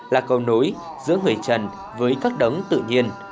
là câu nối giữa người trần với các đấng tự nhiên